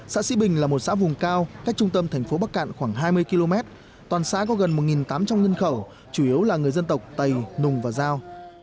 xã sĩ bình là một xã vùng cao cách trung tâm thành phố bắc cạn khoảng hai mươi km toàn xã có gần một tám trăm linh nhân khẩu chủ yếu là người dân tộc tây nùng và giao